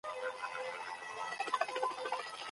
انجینري پوهنځۍ پرته له پلانه نه پراخیږي.